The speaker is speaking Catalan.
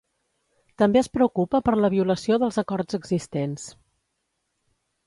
També es preocupa per la violació dels acords existents.